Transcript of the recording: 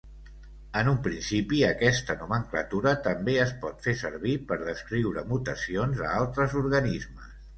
En un principi, aquesta nomenclatura també es pot fer servir per descriure mutacions a altres organismes.